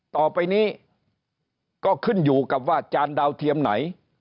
ต่อไปนี้ก็ขึ้นอยู่กับว่าจานดาวเทียมไหน